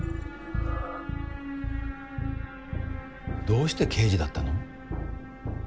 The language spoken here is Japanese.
どうして刑事だったの？